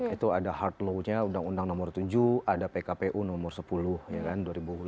itu ada hard law nya undang undang nomor tujuh ada pkpu nomor sepuluh ya kan dua ribu tujuh belas